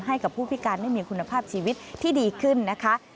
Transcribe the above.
ให้กับผู้พิการได้มีคุณภาพชีวิตที่ดีขึ้นนะคะ